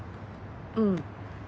うん。